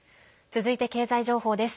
続いて経済情報です。